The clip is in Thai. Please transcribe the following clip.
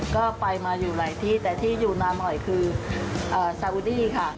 ก็ไปมาอยู่หลายที่แต่ที่อยู่มาบ่อยคือซาวูดี้ค่ะ